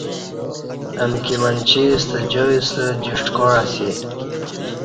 امکی منچی ستہ جائی ستہ جیݜٹ کاع اسی